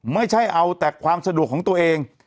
ไม่ใช่เอาแต่ความสะดวกของตัวเอง